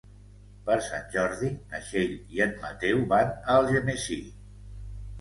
Per Sant Jordi na Txell i en Mateu van a Algemesí.